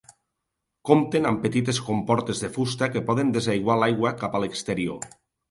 Compten amb petites comportes de fusta que poden desaiguar l'aigua cap a l'exterior.